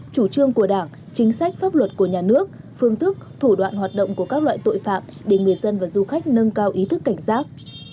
chủ trương của đảng chính sách pháp luật của nhà nước phương thức thủ đoạn hoạt động của các loại tội phạm để người dân và du khách nâng cao ý thức cảnh giác